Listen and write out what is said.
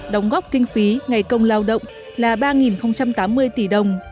đóng góp kinh phí ngày công lao động là ba tám mươi tỷ đồng